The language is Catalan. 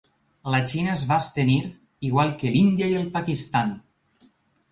La Xina es va abstenir, igual que l’Índia i el Pakistan.